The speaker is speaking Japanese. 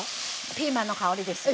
ピーマンの香りですよ。